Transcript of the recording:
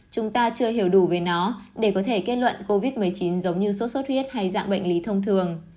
chúng ta chưa hiểu đủ về nó để có thể kết luận covid một mươi chín giống như sốt sốt huyết hay dạng bệnh lý thông thường